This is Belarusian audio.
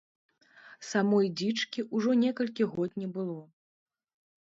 Самой дзічкі ўжо некалькі год не было.